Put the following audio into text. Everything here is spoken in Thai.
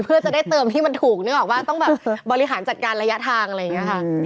เพื่อจะได้เติมที่มันถูกนึกออกว่าต้องแบบบริหารจัดการระยะทางอะไรอย่างนี้ค่ะ